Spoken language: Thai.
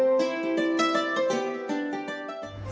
ดีละรับ